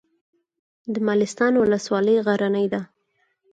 د مالستان ولسوالۍ غرنۍ ده